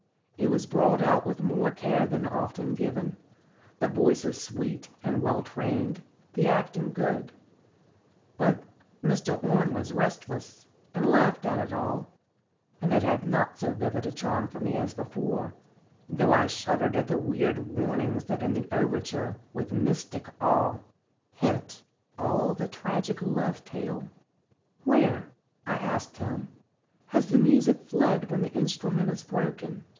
It was brought out with more care than often given, the voices sweet and well trained, the acting good; but Mr. Orne was restless, and laughed at it all; and it had not so vivid a charm for me as before, though I shuddered at the weird warnings that in the overture, with mystic awe, hint all the tragic love tale. "Where," I asked him, "has the music fled when the instrument is broken?